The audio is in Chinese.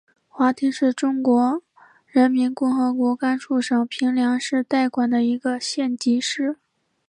华亭市是中华人民共和国甘肃省平凉市代管的一个县级市。